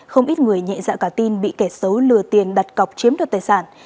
không ít người nhẹ dạo cả tin bị kẻ xấu lừa tiền đặt cọc chiếm được tài sản